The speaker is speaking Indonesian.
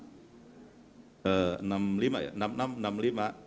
itu bisa masuk ke jakarta cikampek